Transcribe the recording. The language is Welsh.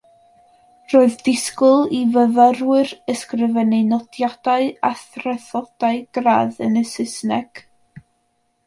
Roedd disgwyl i fyfyrwyr ysgrifennu nodiadau a thraethodau gradd yn y Saesneg.